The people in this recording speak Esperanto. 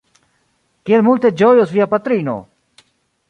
Kiel multe ĝojos via patrino!